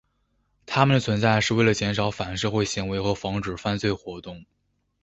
他们的存在是为了减少反社会行为和防止犯罪活动。